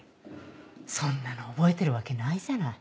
そんなの覚えてるわけないじゃない。